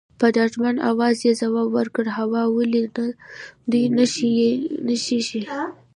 په ډاډمن اواز یې ځواب ورکړ، هو ولې نه، دوې نښې یې ښکاره کړې.